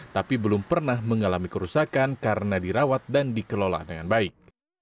tapi belum pernah mengalami kerusakan karena dirawat dan dikelola dengan baik